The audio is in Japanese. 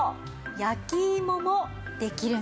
焼きいももできるんです。